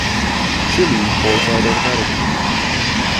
Chile qualified automatically.